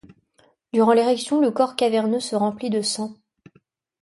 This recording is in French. Durant l'érection le corps caverneux se remplit de sang.